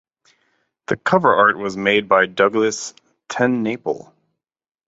The cover art was made by Douglas TenNapel.